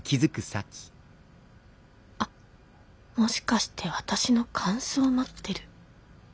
あっもしかして私の感想待ってる？